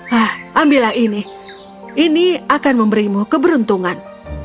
hah ambillah ini ini akan memberimu keberuntungan